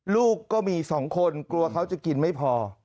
ลูกก็มี๒คนกลัวเขาจะกินไม่พอ